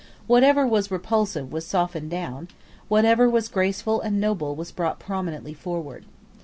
Whatever was repulsive was softened down: whatever was graceful and noble was brought prominently forward.